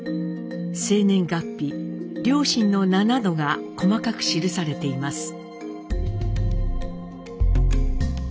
生年月日両親の名などが細かく記されています。